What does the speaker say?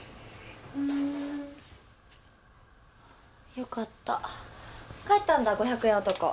良かった帰ったんだ５００円男。